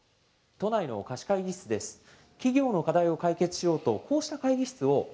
都内の貸会議室です。